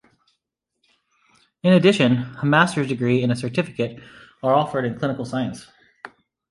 In addition, a master's degree and a certificate are offered in Clinical Science.